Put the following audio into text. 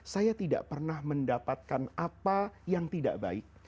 saya tidak pernah mendapatkan apa yang tidak baik